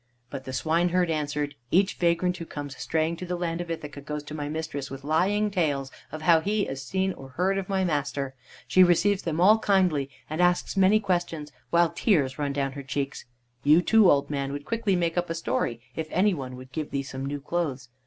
But the swineherd answered: "Each vagrant who comes straying to the land of Ithaca goes to my mistress with lying tales of how he has seen or heard of my master. She receives them all kindly, and asks many questions, while tears run down her cheeks. You, too, old man, would quickly make up a story if any one would give thee some new clothes.